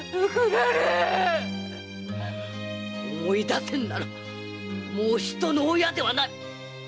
思い出せぬならもう人の親ではない！